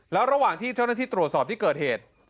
แล้วระหว่างที่เจ้าหน้าที่ตรวจสอบที่เกิดเหตุ